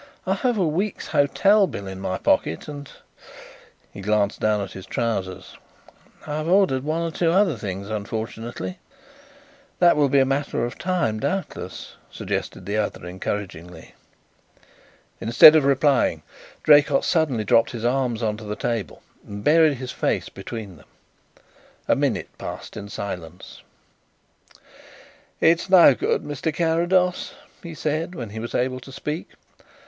I have a week's hotel bill in my pocket, and" he glanced down at his trousers "I've ordered one or two other things unfortunately." "That will be a matter of time, doubtless," suggested the other encouragingly. Instead of replying Draycott suddenly dropped his arms on to the table and buried his face between them. A minute passed in silence. "It's no good, Mr. Carrados," he said, when he was able to speak.